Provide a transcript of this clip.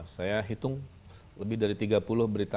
saya hitung lebih dari tiga puluh berita